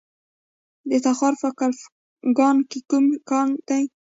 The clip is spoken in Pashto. د تخار په کلفګان کې کوم کان دی؟